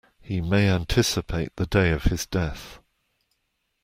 He may anticipate the day of his death.